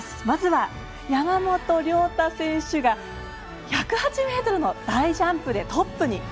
まずは、山本涼太選手が１０８ｍの大ジャンプでトップに。